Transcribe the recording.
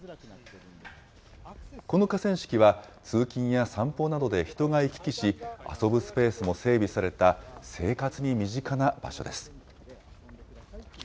この河川敷は、通勤や散歩などで人が行き来し、遊ぶスペースも整備された生活に身近な場所です。